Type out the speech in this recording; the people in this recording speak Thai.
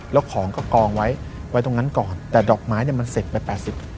แล้วของก็กองไว้ไว้ตรงนั้นก่อนแต่ดอกไม้เนี่ยมันเสร็จไปแปดสิบ